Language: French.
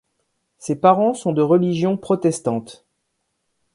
Ses parents sont de religion protestante.